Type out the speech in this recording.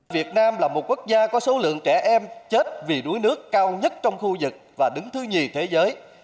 việt nam là một quốc gia có số lượng trẻ em chết vì đuối nước cao nhất trong khu vực và đứng thứ nhì thế giới